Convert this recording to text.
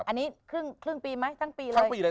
อันนี้ครึ่งปีไหมทั้งปีแล้ว